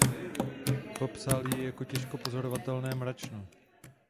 Popsal ji jako těžko pozorovatelné mračno.